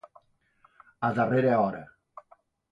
A darrera hora.